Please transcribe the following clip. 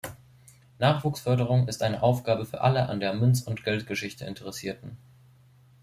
Nachwuchsförderung ist eine Aufgabe für alle an der Münz- und Geldgeschichte Interessierten.